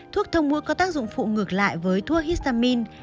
thuốc thông mũi có tác dụng phụ ngược lại với thuốc histamine